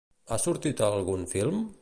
Ha sortit a algun film?